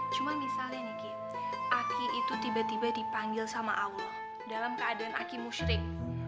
cuma misalnya nih kit aki itu tiba tiba dipanggil sama allah dalam keadaan aki mustik